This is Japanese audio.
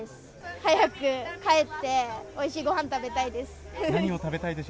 早く帰って、おいしいごはん食べたいです。